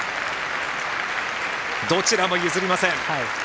どちらも譲りません。